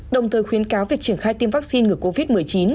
đồng thời khuyến cáo việc triển khai tiêm vaccine ngừa covid một mươi chín